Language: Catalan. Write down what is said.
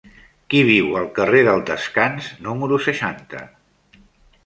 Qui viu al carrer del Descans número seixanta?